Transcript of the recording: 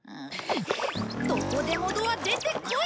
どこでもドア出てこい！